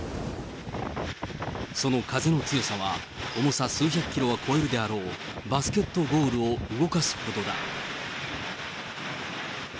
その風の強さは、重さ数百キロは超えるであろう、バスケットゴールを動かすほどだ。